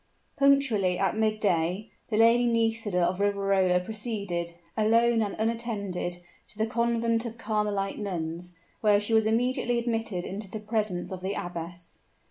Punctually at midday, the Lady Nisida of Riverola proceeded, alone and unattended, to the Convent of Carmelite Nuns, where she was immediately admitted into the presence of the abbess.